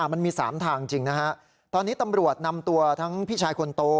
มันมี๓ทางจริงนะฮะตอนนี้ตำรวจนำตัวทั้งพี่ชายคนโต